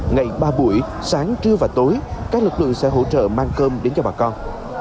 ngày ba buổi sáng trưa và tối các lực lượng sẽ hỗ trợ mang cơm đến cho bà con